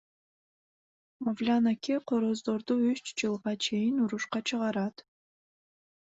Мавлян аке короздорду үч жылга чейин урушка чыгарат.